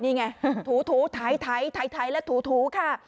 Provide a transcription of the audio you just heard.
นี่ไงถูไถแล้วถูค่ะ